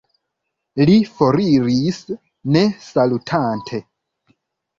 Li foriris, ne salutante.